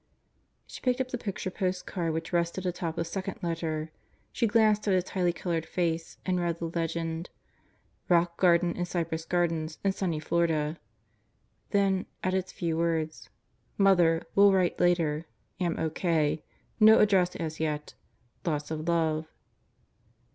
She picked up the picture post card which rested atop the second letter. She glanced at its highly colored face and read the legend: "Rock Garden in Cypress Gardens in Sunny Florida." Then at its few words: "Mother, Will write later. Am O.K. No address as yet. Lots of love.